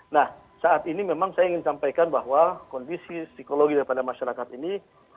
nah saat ini memang saya ingin sampaikan bahwa kondisi psikologi daripada masyarakat ini